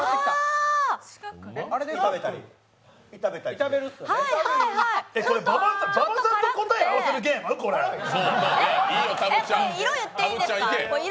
ちょっと辛くて色、言っていいんですか？